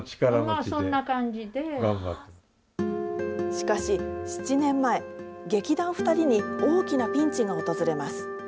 しかし、７年前、劇団ふたりに、大きなピンチが訪れます。